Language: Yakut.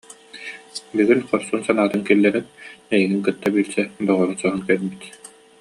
Бүгүн хорсун санаатын киллэрэн, эйигин кытта билсэ доҕорун соһон кэлбит